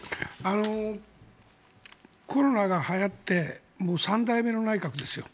コロナがはやってもう３代目の内閣ですよ。